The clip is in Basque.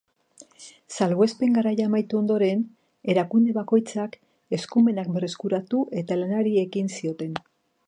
Salbuespen garaia amaitu ondoren, erakunde bakoitzak eskumenak berreskuratu eta lanari ekiten zioten.